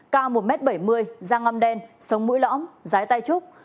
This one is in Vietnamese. cao một m bảy mươi da ngâm đen sống mũi lõng giái tay trúc